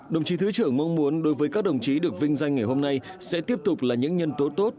đồng chí thứ trưởng mong muốn đối với các đồng chí được vinh danh ngày hôm nay sẽ tiếp tục là những nhân tố tốt